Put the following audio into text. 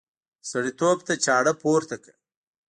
سړي تواب ته چاړه پورته کړه.